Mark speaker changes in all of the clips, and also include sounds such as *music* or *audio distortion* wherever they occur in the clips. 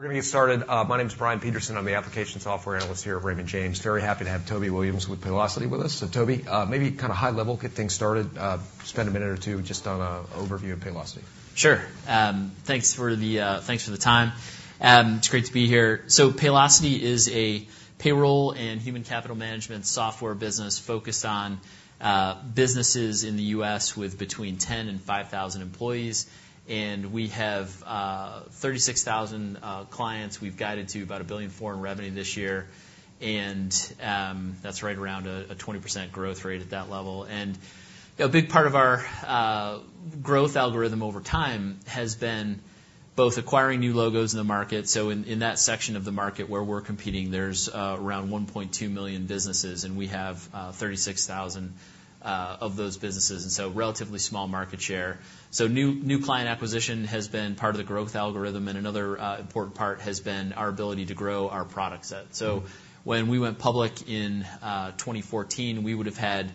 Speaker 1: We're going to get started. My name is Brian Peterson. I'm the application software analyst here at Raymond James. Very happy to have Toby Williams with Paylocity with us. So Toby, maybe kind of high level, get things started, spend a minute or two just on a overview of Paylocity.
Speaker 2: Sure. Thanks for the time. It's great to be here. So Paylocity is a payroll and human capital management software business focused on businesses in the U.S. with between 10 employees and 5,000 employees, and we have 36,000 clients. We've guided to about $1 billion in revenue this year, and that's right around a 20% growth rate at that level. And a big part of our growth algorithm over time has been both acquiring new logos in the market. So in that section of the market where we're competing, there's around 1.2 million businesses, and we have 36,000 of those businesses, and so relatively small market share. So new client acquisition has been part of the growth algorithm, and another important part has been our ability to grow our product set.
Speaker 1: Mm-hmm.
Speaker 2: So when we went public in 2014, we would have had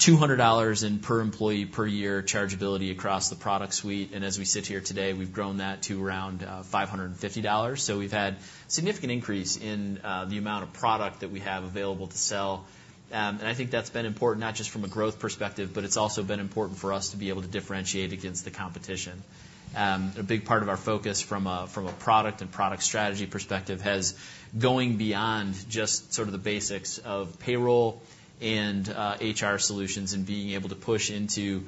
Speaker 2: $200 in per employee per year chargeability across the product suite, and as we sit here today, we've grown that to around $550. So we've had significant increase in the amount of product that we have available to sell. And I think that's been important, not just from a growth perspective, but it's also been important for us to be able to differentiate against the competition. A big part of our focus from a product and product strategy perspective has going beyond just sort of the basics of payroll and HR solutions, and being able to push into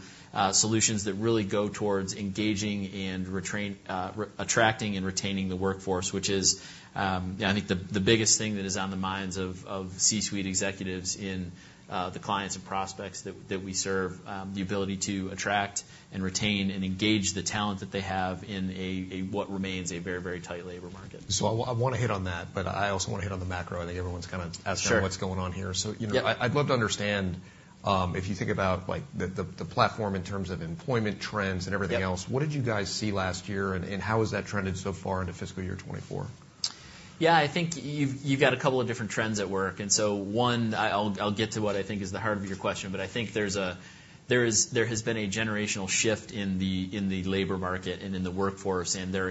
Speaker 2: solutions that really go towards engaging and re-attracting and retaining the workforce, which is, I think, the biggest thing that is on the minds of C-suite executives in the clients and prospects that we serve. The ability to attract and retain and engage the talent that they have in a what remains a very, very tight labor market.
Speaker 1: So I want to hit on that, but I also want to hit on the macro. I think everyone's kind of-
Speaker 2: Sure
Speaker 1: asking what's going on here.
Speaker 2: Yep.
Speaker 1: So, you know, I'd love to understand if you think about, like, the platform in terms of employment trends and everything else, what did you guys see last year, and, and how has that trended so far into fiscal year 2024?
Speaker 2: Yeah, I think you've got a couple of different trends at work, and so one, I'll get to what I think is the heart of your question, but I think there's a—there has been a generational shift in the labor market and in the workforce, and their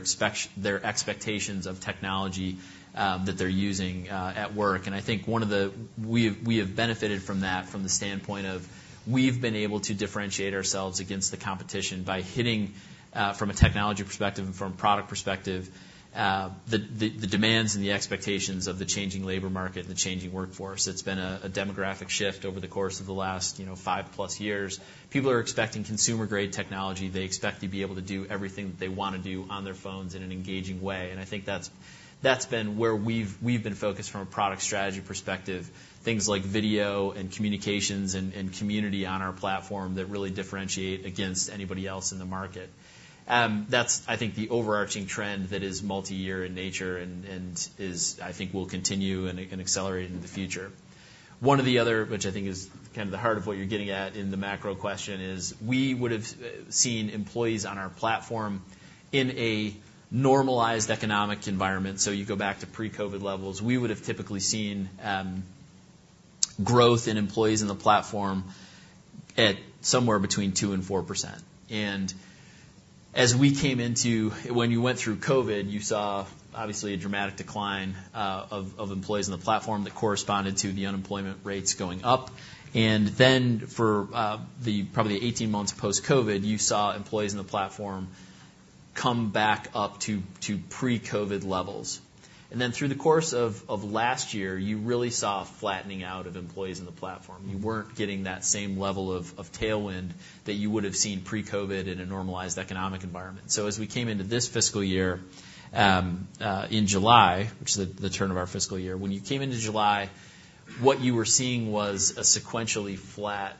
Speaker 2: expectations of technology that they're using at work. And I think one of the. We have benefited from that from the standpoint of, we've been able to differentiate ourselves against the competition by hitting from a technology perspective and from a product perspective the demands and the expectations of the changing labor market and the changing workforce. It's been a demographic shift over the course of the last, you know, 5 years+. People are expecting consumer-grade technology. They expect to be able to do everything that they want to do on their phones in an engaging way, and I think that's been where we've been focused from a product strategy perspective. Things like video and communications and Community on our platform that really differentiate against anybody else in the market. That's, I think, the overarching trend that is multiyear in nature and is. I think it will continue and accelerate in the future. One of the other, which I think is kind of the heart of what you're getting at in the macro question, is we would've seen employees on our platform in a normalized economic environment. So you go back to pre-COVID levels, we would've typically seen growth in employees in the platform at somewhere between 2%-4%. And as we came into—when you went through COVID, you saw, obviously, a dramatic decline of employees on the platform that corresponded to the unemployment rates going up. And then for the probably 18 months post-COVID, you saw employees in the platform come back up to pre-COVID levels. And then through the course of last year, you really saw a flattening out of employees in the platform.
Speaker 1: Mm-hmm.
Speaker 2: You weren't getting that same level of tailwind that you would have seen pre-COVID in a normalized economic environment. So as we came into this fiscal year in July, which is the turn of our fiscal year, when you came into July, what you were seeing was a sequentially flat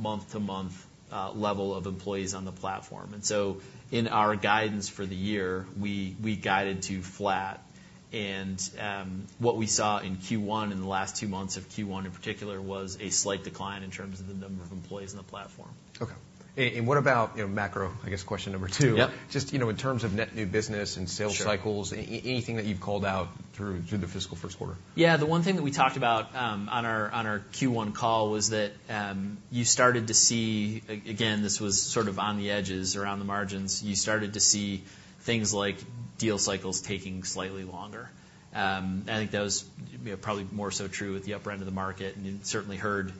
Speaker 2: month-to-month level of employees on the platform. And so in our guidance for the year, we guided to flat, and what we saw in Q1, in the last two months of Q1 in particular, was a slight decline in terms of the number of employees in the platform.
Speaker 1: Okay. And what about, you know, macro? I guess, question number two.
Speaker 2: Yep.
Speaker 1: Just, you know, in terms of net new business and sales cycles, anything that you've called out through the fiscal first quarter?
Speaker 2: Yeah. The one thing that we talked about on our, on our Q1 call was that you started to see... Again, this was sort of on the edges, around the margins. You started to see things like deal cycles taking slightly longer. I think that was, you know, probably more so true with the upper end of the market, and you certainly heard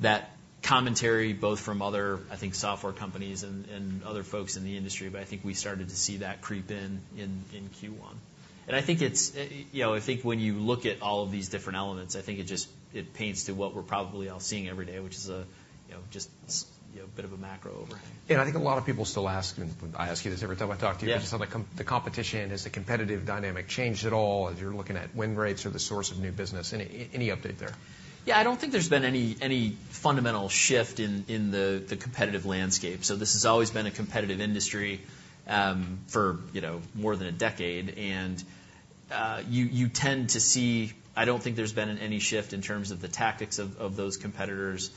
Speaker 2: that commentary both from other, I think, software companies and other folks in the industry, but I think we started to see that creep in in Q1. And I think it's, you know, I think when you look at all of these different elements, I think it just, it paints to what we're probably all seeing every day, which is a, you know, just, you know, a bit of a macro overhang.
Speaker 1: I think a lot of people still ask, and I ask you this every time I talk to you, just how the competition, has the competitive dynamic changed at all as you're looking at win rates or the source of new business? Any, any update there?
Speaker 2: Yeah, I don't think there's been any fundamental shift in the competitive landscape. So this has always been a competitive industry, for you know, more than a decade, and you tend to see—I don't think there's been any shift in terms of the tactics of those competitors.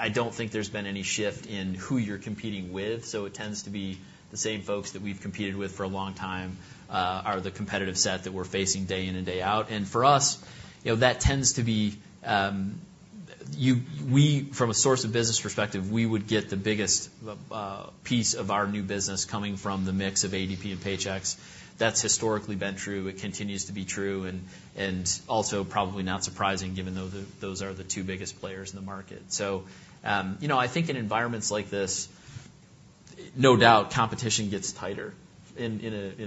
Speaker 2: I don't think there's been any shift in who you're competing with, so it tends to be the same folks that we've competed with for a long time are the competitive set that we're facing day in and day out. And for us, you know, that tends to be we from a source of business perspective, we would get the biggest piece of our new business coming from the mix of ADP and Paychex. That's historically been true, it continues to be true, and also probably not surprising, given though, that those are the two biggest players in the market. So, you know, I think in environments like this, no doubt competition gets tighter in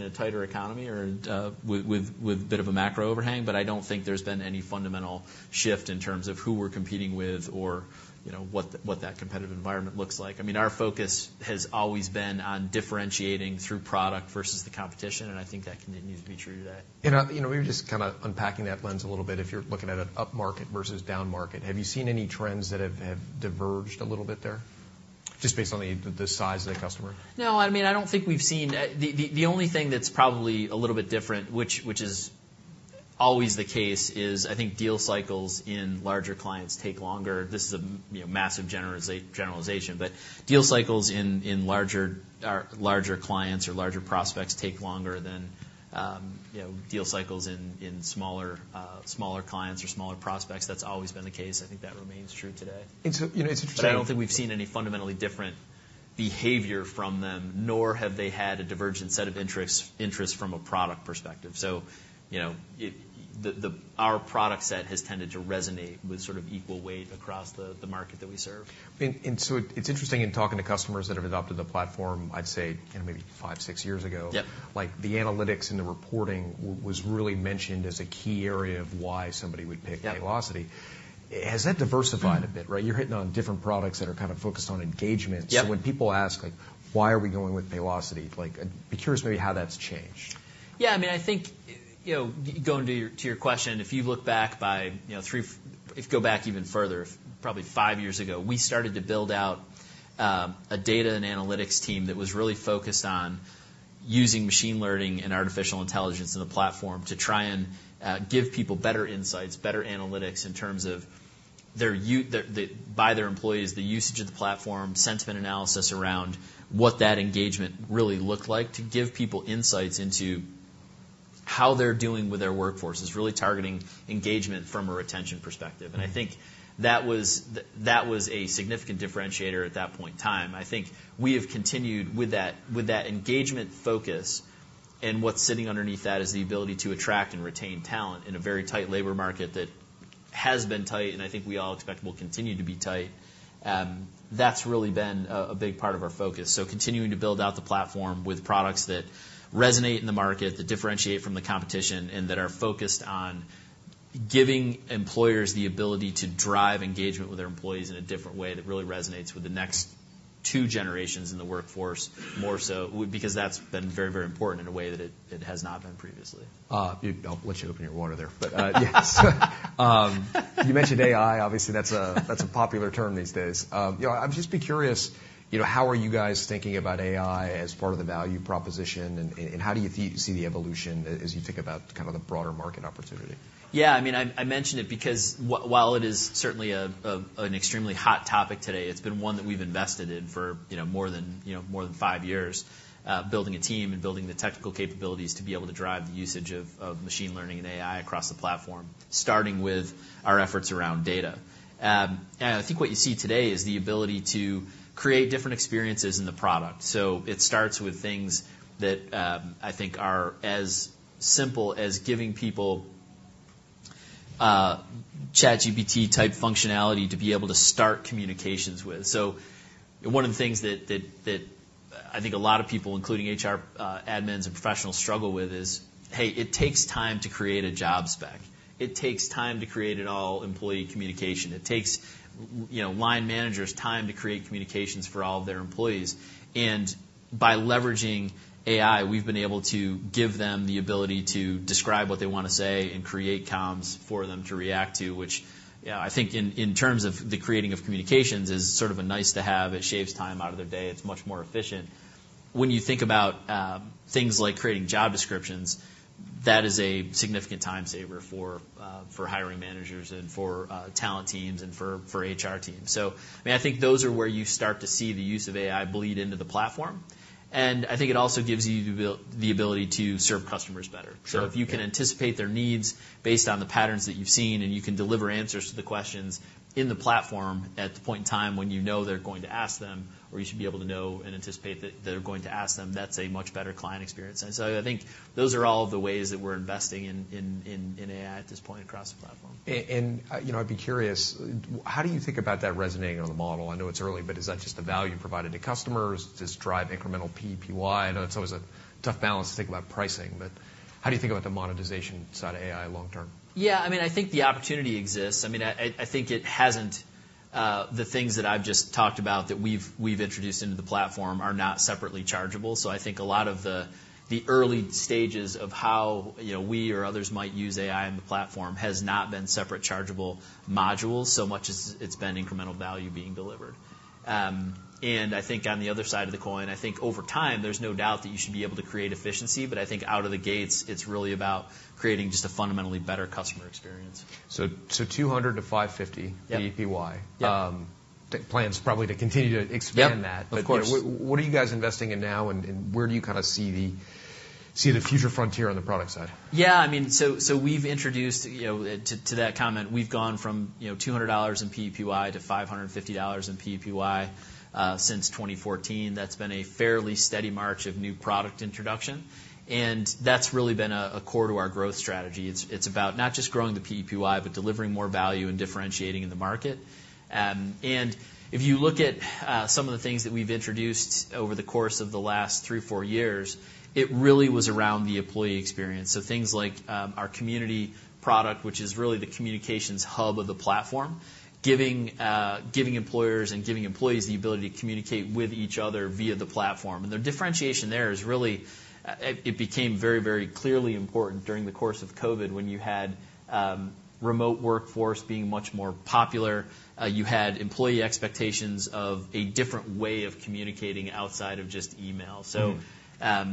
Speaker 2: a tighter economy or with a bit of a macro overhang. But I don't think there's been any fundamental shift in terms of who we're competing with or, you know, what that competitive environment looks like. I mean, our focus has always been on differentiating through product versus the competition, and I think that continues to be true today.
Speaker 1: You know, we were just kinda unpacking that lens a little bit. If you're looking at an upmarket versus downmarket, have you seen any trends that have diverged a little bit there, just based on the size of the customer?
Speaker 2: No, I mean, I don't think we've seen—the only thing that's probably a little bit different, which is always the case, is I think deal cycles in larger clients take longer. This is a you know massive generalization, but deal cycles in larger clients or larger prospects take longer than you know deal cycles in smaller clients or smaller prospects. That's always been the case. I think that remains true today.
Speaker 1: And so, you know, it's interesting-
Speaker 2: But I don't think we've seen any fundamentally different behavior from them, nor have they had a divergent set of interests from a product perspective. So you know, our product set has tended to resonate with sort of equal weight across the market that we serve.
Speaker 1: So it's interesting, in talking to customers that have adopted the platform, I'd say, you know, maybe 5 years, 6 years ago, like, the analytics and the reporting was really mentioned as a key area of why somebody would pick Paylocity. Has that diversified a bit, right? You're hitting on different products that are kind of focused on engagement.
Speaker 2: Yep.
Speaker 1: When people ask: Like, why are we going with Paylocity? Like, I'd be curious maybe how that's changed.
Speaker 2: Yeah, I mean, I think, you know, going to your, to your question, if you look back by, you know, three... If you go back even further, probably five years ago, we started to build out a data and analytics team that was really focused on using machine learning and artificial intelligence in the platform to try and give people better insights, better analytics in terms of their usage by their employees, the usage of the platform, sentiment analysis around what that engagement really looked like, to give people insights into how they're doing with their workforce, is really targeting engagement from a retention perspective.
Speaker 1: Mm-hmm.
Speaker 2: And I think that was, that was a significant differentiator at that point in time. I think we have continued with that, with that engagement focus, and what's sitting underneath that is the ability to attract and retain talent in a very tight labor market that has been tight, and I think we all expect will continue to be tight. That's really been a big part of our focus, so continuing to build out the platform with products that resonate in the market, that differentiate from the competition, and that are focused on giving employers the ability to drive engagement with their employees in a different way, that really resonates with the next two generations in the workforce more so because that's been very, very important in a way that it has not been previously.
Speaker 1: You—I'll let you open your water there, but, yes. You mentioned AI. Obviously, that's a popular term these days. You know, I'd just be curious, you know, how are you guys thinking about AI as part of the value proposition, and how do you see the evolution as you think about kind of the broader market opportunity?
Speaker 2: Yeah, I mean, I mentioned it because while it is certainly an extremely hot topic today, it's been one that we've invested in for, you know, more than, you know, more than five years. Building a team and building the technical capabilities to be able to drive the usage of machine learning and AI across the platform, starting with our efforts around data. And I think what you see today is the ability to create different experiences in the product. So it starts with things that I think are as simple as giving people ChatGPT-type functionality to be able to start communications with. So one of the things that I think a lot of people, including HR admins and professionals, struggle with is, hey, it takes time to create a job spec. It takes time to create an all-employee communication. It takes, you know, line managers time to create communications for all of their employees. And by leveraging AI, we've been able to give them the ability to describe what they want to say and create comms for them to react to, which, yeah, I think in terms of the creating of communications, is sort of a nice to have. It shaves time out of their day. It's much more efficient. When you think about things like creating job descriptions, that is a significant time saver for hiring managers and for talent teams and for HR teams. So, I mean, I think those are where you start to see the use of AI bleed into the platform, and I think it also gives you the ability to serve customers better.
Speaker 1: Sure.
Speaker 2: So if you can anticipate their needs based on the patterns that you've seen, and you can deliver answers to the questions in the platform at the point in time when you know they're going to ask them, or you should be able to know and anticipate that they're going to ask them, that's a much better client experience. And so I think those are all of the ways that we're investing in AI at this point across the platform.
Speaker 1: You know, I'd be curious, how do you think about that resonating on the model? I know it's early, but is that just a value provided to customers? Does this drive incremental PEPY? I know it's always a tough balance to think about pricing, but how do you think about the monetization side of AI long term?
Speaker 2: Yeah, I mean, I think the opportunity exists. I mean, I think it hasn't—The things that I've just talked about, that we've introduced into the platform, are not separately chargeable. So I think a lot of the early stages of how, you know, we or others might use AI on the platform has not been separate chargeable modules, so much as it's been incremental value being delivered. And I think on the other side of the coin, I think over time, there's no doubt that you should be able to create efficiency, but I think out of the gates, it's really about creating just a fundamentally better customer experience.
Speaker 1: $200-$550 PEPY-
Speaker 2: Yep....
Speaker 1: plans probably to continue to expand that.
Speaker 2: Yep, of course.
Speaker 1: What are you guys investing in now, and where do you kind of see the future frontier on the product side?
Speaker 2: Yeah, I mean, so, so we've introduced, you know, to, to that comment, we've gone from, you know, $200 in PEPY to $550 in PEPY, since 2014. That's been a fairly steady march of new product introduction, and that's really been a core to our growth strategy. It's about not just growing the PEPY, but delivering more value and differentiating in the market. And if you look at some of the things that we've introduced over the course of the last three, four years, it really was around the employee experience. So things like, our Community product, which is really the communications hub of the platform, giving employers and giving employees the ability to communicate with each other via the platform. The differentiation there is really—it became very, very clearly important during the course of COVID, when you had remote workforce being much more popular. You had employee expectations of a different way of communicating outside of just email.
Speaker 1: Mm-hmm.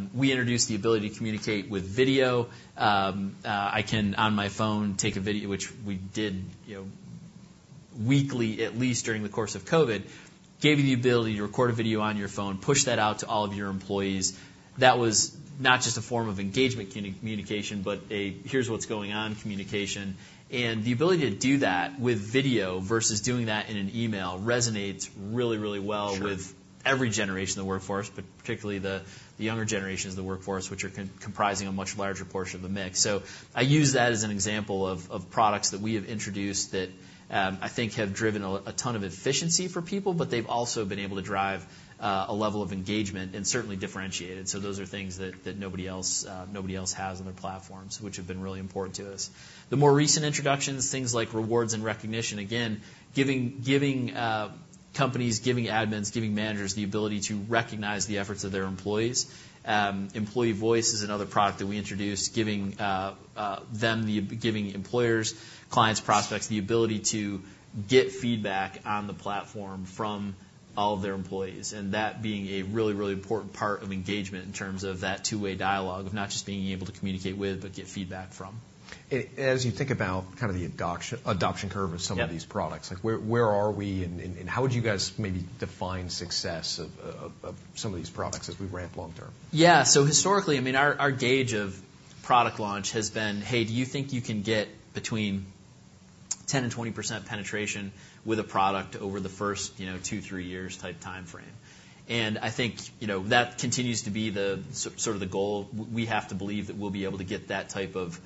Speaker 2: So, we introduced the ability to communicate with video. I can, on my phone, take a video, which we did, you know, weekly, at least during the course of COVID. Gave you the ability to record a video on your phone, push that out to all of your employees. That was not just a form of engagement communication, but a here's what's going on communication. And the ability to do that with video versus doing that in an email resonates really, really well with every generation in the workforce, but particularly the younger generations in the workforce, which are comprising a much larger portion of the mix. So I use that as an example of products that we have introduced that, I think have driven a ton of efficiency for people, but they've also been able to drive a level of engagement and certainly differentiate it. So those are things that nobody else has on their platforms, which have been really important to us. The more recent introductions, things like rewards and recognition, again, giving companies, giving admins, giving managers the ability to recognize the efforts of their employees. Employee Voice is another product that we introduced, giving employers, clients, prospects, the ability to get feedback on the platform from all of their employees. That being a really, really important part of engagement in terms of that two-way dialogue, of not just being able to communicate with, but get feedback from.
Speaker 1: As you think about kind of the adoption curve of some of these products, like, where are we, and how would you guys maybe define success of some of these products as we ramp long term?
Speaker 2: Yeah. So historically, I mean, our gauge of product launch has been, hey, do you think you can get between 10%-20% penetration with a product over the first, you know, 2 years-3 years type timeframe? And I think, you know, that continues to be the sort of the goal. We have to believe that we'll be able to get that type of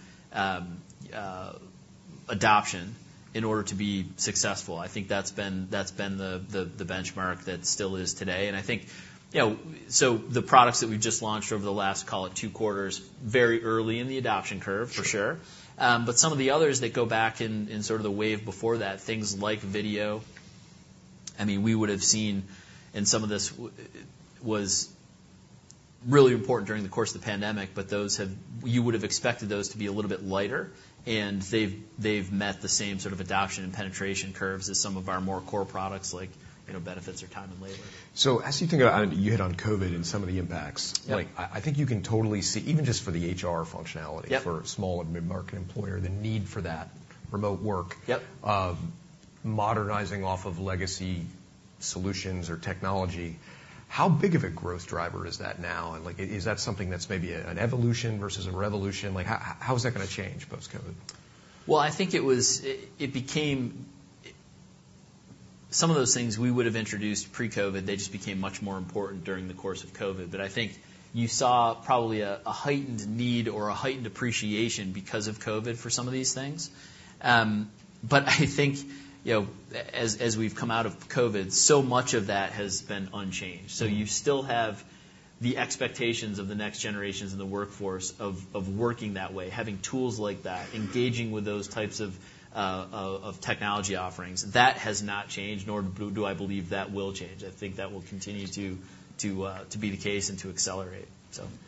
Speaker 2: adoption in order to be successful. I think that's been the benchmark. That still is today. And I think, you know... So the products that we've just launched over the last, call it 2 quarters, very early in the adoption curve, for sure.
Speaker 1: Sure.
Speaker 2: But some of the others that go back in, in sort of the wave before that, things like video, I mean, we would have seen, and some of this was really important during the course of the pandemic, but those have—you would have expected those to be a little bit lighter, and they've, they've met the same sort of adoption and penetration curves as some of our more core products like, you know, benefits or time and labor.
Speaker 1: As you think about—You hit on COVID and some of the impacts.
Speaker 2: Yep.
Speaker 1: Like, I think you can totally see, even just for the HR functionality for small and mid-market employer, the need for that remote work modernizing off of legacy solutions or technology, how big of a growth driver is that now? And, like, is that something that's maybe an evolution versus a revolution? Like, how, how is that gonna change post-COVID?
Speaker 2: Well, I think it was—It became, some of those things we would have introduced pre-COVID, they just became much more important during the course of COVID. But I think you saw probably a heightened need or a heightened appreciation because of COVID for some of these things. But I think, you know, as we've come out of COVID, so much of that has been unchanged.
Speaker 1: Mm.
Speaker 2: So you still have the expectations of the next generations in the workforce of working that way, having tools like that, engaging with those types of technology offerings. That has not changed, nor do I believe that will change. I think that will continue to be the case and to accelerate,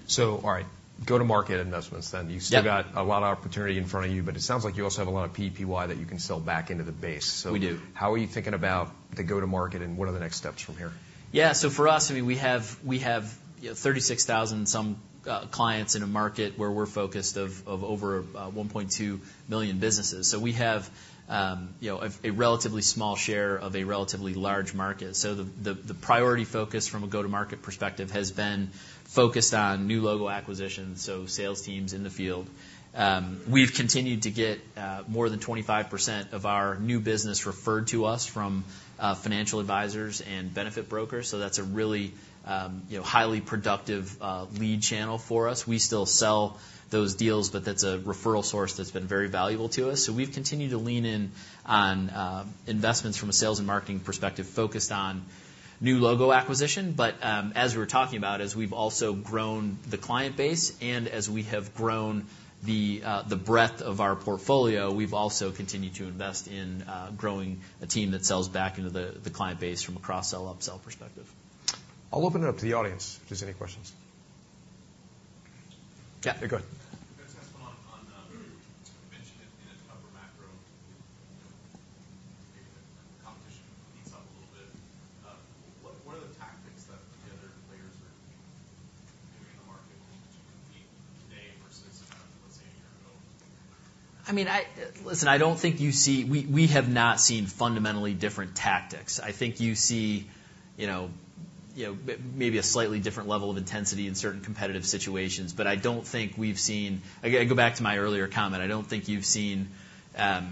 Speaker 2: so.
Speaker 1: All right, go-to-market investments then.
Speaker 2: Yep.
Speaker 1: You still got a lot of opportunity in front of you, but it sounds like you also have a lot of PEPY that you can sell back into the base. So-
Speaker 2: We do.
Speaker 1: How are you thinking about the go-to-market, and what are the next steps from here?
Speaker 2: Yeah. So for us, I mean, we have, we have, you know, 36,000-some clients in a market where we're focused on over 1.2 million businesses. So we have you know, a relatively small share of a relatively large market. So the priority focus from a go-to-market perspective has been focused on new logo acquisitions, so sales teams in the field. We've continued to get more than 25% of our new business referred to us from financial advisors and benefit brokers, so that's a really you know, highly productive lead channel for us. We still sell those deals, but that's a referral source that's been very valuable to us. So we've continued to lean in on investments from a sales and marketing perspective, focused on new logo acquisition. But, as we were talking about, as we've also grown the client base and as we have grown the breadth of our portfolio, we've also continued to invest in growing a team that sells back into the client base from a cross-sell/upsell perspective.
Speaker 1: I'll open it up to the audience if there's any questions?
Speaker 2: Yeah.
Speaker 1: Yeah, go ahead.
Speaker 3: Just on, you mentioned in a tougher macro, competition heats up a little bit. What are the tactics that you *audio distortion*
Speaker 2: I mean, listen, I don't think you see we have not seen fundamentally different tactics. I think you see, you know, you know, maybe a slightly different level of intensity in certain competitive situations, but I don't think we've seen—again, I go back to my earlier comment. I don't think you've seen a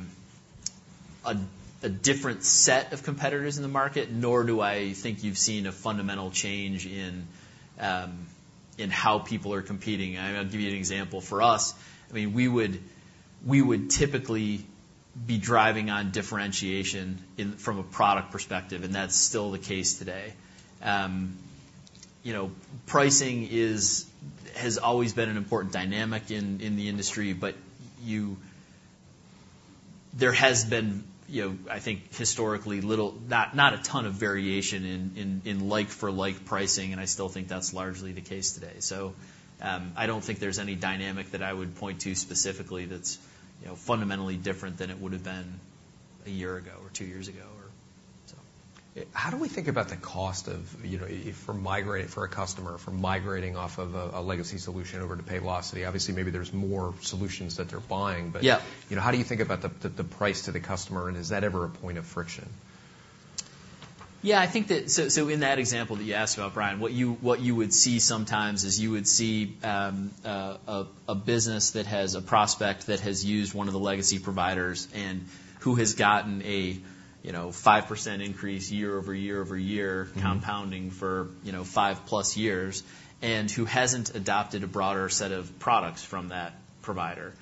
Speaker 2: different set of competitors in the market, nor do I think you've seen a fundamental change in how people are competing. I'm gonna give you an example. For us, I mean, we would, we would typically be driving on differentiation in from a product perspective, and that's still the case today. You know, pricing is has always been an important dynamic in the industry, but you—there has been, you know, I think historically, little, not a ton of variation in like-for-like pricing, and I still think that's largely the case today. So, I don't think there's any dynamic that I would point to specifically that's, you know, fundamentally different than it would have been a year ago or two years ago or so.
Speaker 1: How do we think about the cost of, you know, for migrating for a customer, from migrating off of a legacy solution over to Paylocity? Obviously, maybe there's more solutions that they're buying, but, you know, how do you think about the price to the customer, and is that ever a point of friction?
Speaker 2: Yeah, I think that. So in that example that you asked about, Brian, what you would see sometimes is you would see a business that has a prospect that has used one of the legacy providers and who has gotten a, you know, 5% increase year over year over year compounding for, you know, 5+ years, and who hasn't adopted a broader set of products from that provider.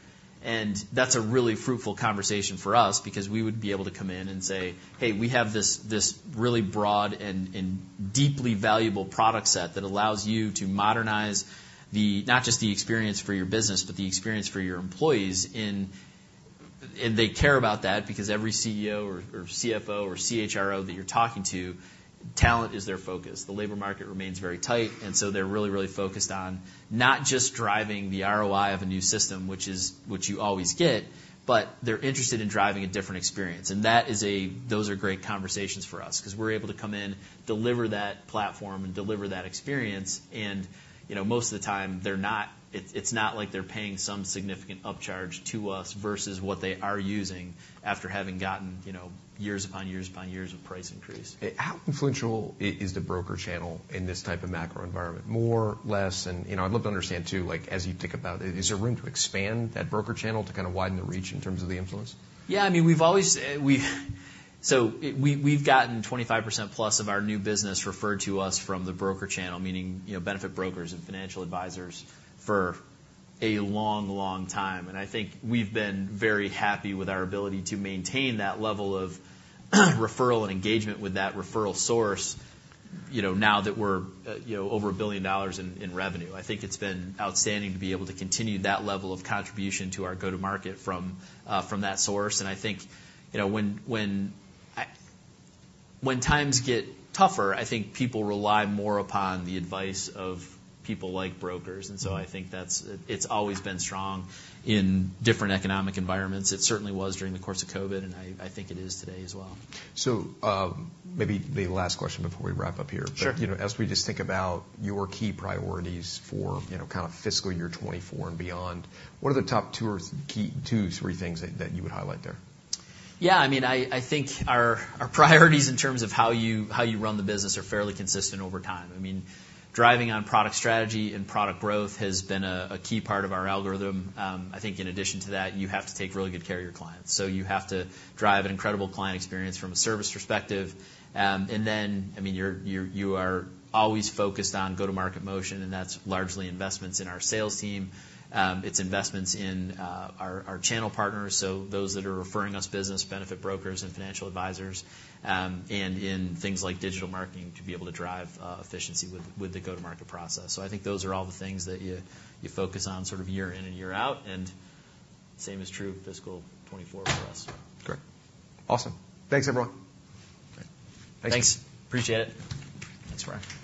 Speaker 2: And that's a really fruitful conversation for us because we would be able to come in and say, "Hey, we have this, this really broad and, and deeply valuable product set that allows you to modernize the—not just the experience for your business, but the experience for your employees in", and they care about that because every CEO or, or CFO or CHRO that you're talking to, talent is their focus. The labor market remains very tight, and so they're really, really focused on not just driving the ROI of a new system, which is what you always get, but they're interested in driving a different experience. And that is a—those are great conversations for us because we're able to come in, deliver that platform, and deliver that experience, and, you know, most of the time, they're not. It's not like they're paying some significant upcharge to us versus what they are using after having gotten, you know, years upon years upon years of price increase.
Speaker 1: How influential is the broker channel in this type of macro environment? More, less, and, you know, I'd love to understand, too, like, as you think about it, is there room to expand that broker channel to kind of widen the reach in terms of the influence?
Speaker 2: Yeah, I mean, we've always—So we've gotten 25% plus of our new business referred to us from the broker channel, meaning, you know, benefit brokers and financial advisors for a long, long time. And I think we've been very happy with our ability to maintain that level of referral and engagement with that referral source, you know, now that we're over $1 billion in revenue. I think it's been outstanding to be able to continue that level of contribution to our go-to-market from that source, and I think, you know, when times get tougher, I think people rely more upon the advice of people like brokers. And so I think that's—it's always been strong in different economic environments. It certainly was during the course of COVID, and I think it is today as well.
Speaker 1: Maybe the last question before we wrap up here.
Speaker 2: Sure.
Speaker 1: But, you know, as we just think about your key priorities for, you know, kind of fiscal year 2024 and beyond, what are the top two or key two, three things that you would highlight there?
Speaker 2: Yeah, I mean, I think our priorities in terms of how you run the business are fairly consistent over time. I mean, driving on product strategy and product growth has been a key part of our algorithm. I think in addition to that, you have to take really good care of your clients. So you have to drive an incredible client experience from a service perspective. And then, I mean, you are always focused on go-to-market motion, and that's largely investments in our sales team. It's investments in our channel partners, so those that are referring us business, benefit brokers and financial advisors, and in things like digital marketing, to be able to drive efficiency with the go-to-market process. I think those are all the things that you focus on sort of year in and year out, and same is true fiscal 2024 for us.
Speaker 1: Great. Awesome. Thanks, everyone. Great.
Speaker 2: Thanks. Appreciate it. Thanks, Brian.